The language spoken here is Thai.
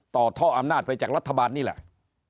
ต่อท่ออำนาจไปจากรัฐบาลนี่แหละ